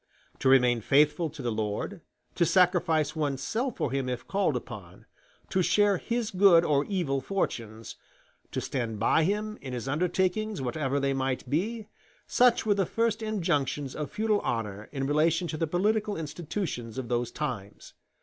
To remain faithful to the lord, to sacrifice one's self for him if called upon, to share his good or evil fortunes, to stand by him in his undertakings whatever they might be such were the first injunctions of feudal honor in relation to the political institutions of those times.